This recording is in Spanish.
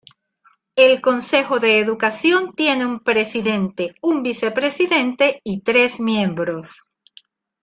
El consejo de educación tiene un presidente, un vicepresidente, y tres miembros.